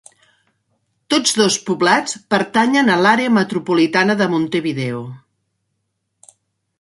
Tots dos poblats pertanyen a l'àrea metropolitana de Montevideo.